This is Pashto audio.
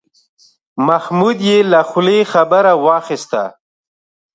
محمود یې له خولې خبره واخیسته.